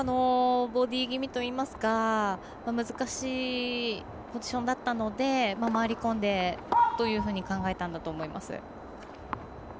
ボディー気味といいますか難しいポジションだったので回り込んでというふうに考えたんだと思います。